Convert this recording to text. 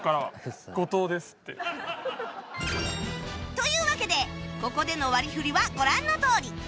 というわけでここでの割り振りはご覧のとおり